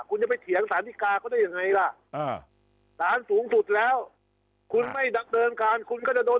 คุณจะไปเถียงสารธิกาเขาได้ยังไงล่ะสารสูงสุดแล้วคุณไม่ดำเนินการคุณก็จะโดน